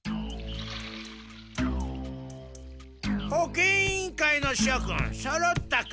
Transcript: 保健委員会のしょ君そろったか？